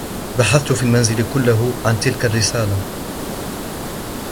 بحثت في المنزل كله عن تلك الرسالة.